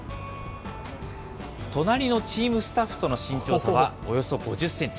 隣のチームスタッフとの身長差はおよそ５０センチ。